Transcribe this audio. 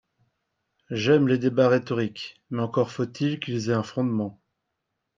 J’aime les débats rhétoriques, mais encore faut-il qu’ils aient un fondement